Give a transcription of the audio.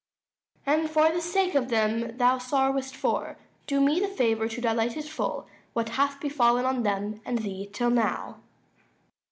Duke. And, for the sake of them thou sorrowest for, Do me the favour to dilate at full What hath befall'n of them and thee till now.